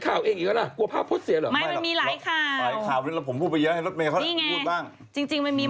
คิดคือเขาเต้านอยเค้ามัยที่นอย